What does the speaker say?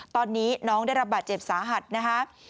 ตอนนี้น้องได้รับบาดเจ็บสาหัสนะคะ